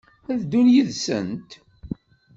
Ad d-ddun yid-sent?